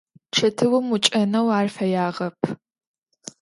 Чэтыум ӏукӏэнэу ар фэягъэп.